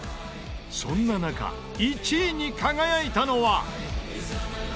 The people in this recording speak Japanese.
そんな中１位に輝いたのは。